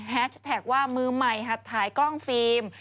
แท็กว่ามือใหม่หัดถ่ายกล้องฟิล์ม